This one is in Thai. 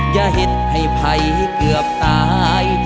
อย่าเห็นให้ภัยเกือบตาย